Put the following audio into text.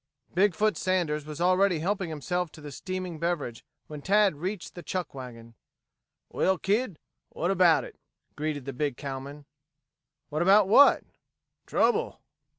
Big foot Sanders was already helping himself to the steaming beverage, when Tad reached the chuck wagon. "Well, kid, what about it?" greeted the big cowman. "What about what?" "Trouble."